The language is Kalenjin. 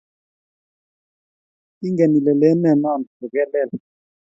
ingen ile leene noo ko ke lel